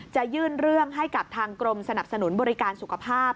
จะยื่นเรื่องให้กับทางกรมสนับสนุนบริการสุขภาพ